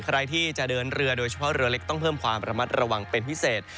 ใครที่จะเดินเรือโดยเฉพาะเรือเล็กต้องเพิ่มความระมัดระวังเป็นพิเศษ